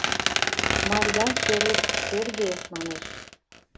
Марьян шерет шерге, манеш